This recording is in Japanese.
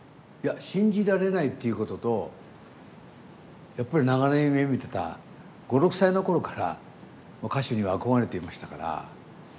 いや信じられないっていうこととやっぱり長年夢みてた５６歳の頃から歌手には憧れていましたから。